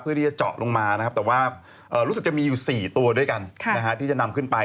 เพื่อที่จะเจาะลงมานะครับแต่ว่ารู้สึกจะมีอยู่๔ตัวด้วยกันที่จะนำขึ้นไป